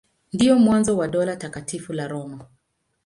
Ndio mwanzo wa Dola Takatifu la Roma.